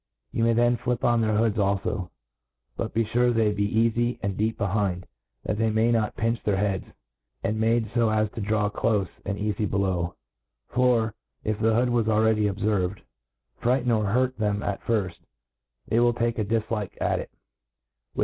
Tou may then flip on their hoods al fb ; but be fure they be eafy and deep behind, that they may not pinch their heads, and made fo as to draw clofe and eafy below ; for^ if the hood, as was already obferved, frighten or hurt them at.firft, they will take a diflike at it, which